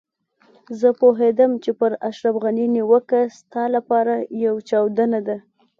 زه پوهېدم چې پر اشرف غني نيوکه ستا لپاره يوه چاودنه ده.